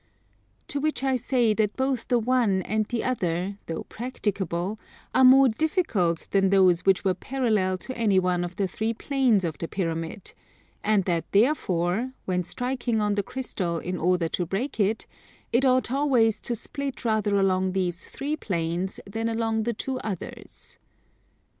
To which I say that both the one and the other, though practicable, are more difficult than those which were parallel to any one of the three planes of the pyramid; and that therefore, when striking on the crystal in order to break it, it ought always to split rather along these three planes than along the two others.